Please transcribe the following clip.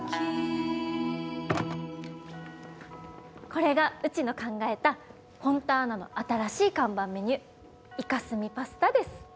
これがうちの考えたフォンターナの新しい看板メニューイカスミパスタです！